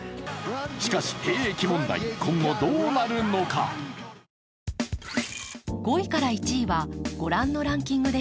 しかし、兵役問題、今後どうなるのか。